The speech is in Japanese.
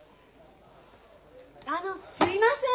あのすいません！